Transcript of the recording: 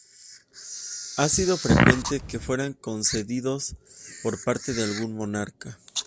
Ha sido frecuente que fueran concedidos por parte de algún monarca.